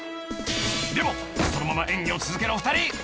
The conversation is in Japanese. ［でもそのまま演技を続けるお二人］